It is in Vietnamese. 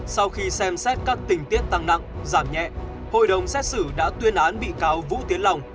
sau khi xem xét các tình tiết tăng nặng giảm nhẹ hội đồng xét xử đã tuyên án bị cáo vũ tiến lòng